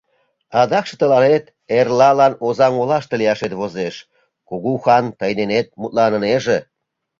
Адакше тыланет эрлалан Озаҥ олаште лияшет возеш, кугу хан тый денет мутланынеже.